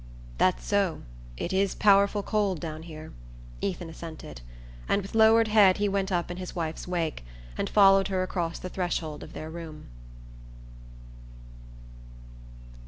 "That's so. It is powerful cold down here," Ethan assented; and with lowered head he went up in his wife's wake, and followed her across the threshold of their room.